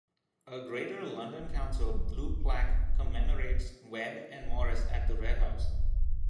A Greater London Council blue plaque commemorates Webb and Morris at the Red House.